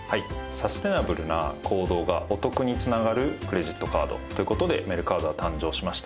サステナブルな行動がお得に繋がるクレジットカードという事でメルカードは誕生しました。